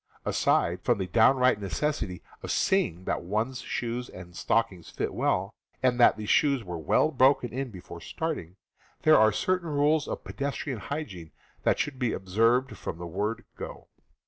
Aside from the downright necessity of seeing that one's shoes and stockings fit well, and that the shoes were well broken in before starting, there are certain rules of pedestrian hygiene that should be observed from the word "go."